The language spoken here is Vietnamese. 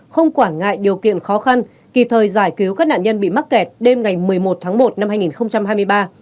không quản ngại điều kiện khó khăn kịp thời giải cứu các nạn nhân bị mắc kẹt đêm ngày một mươi một tháng một năm hai nghìn hai mươi ba